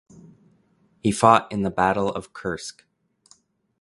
He fought in the battle of Kursk.